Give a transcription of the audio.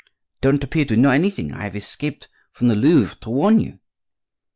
Don't appear to know anything; I have escaped from the Louvre to warn you."